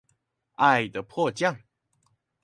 愛的迫降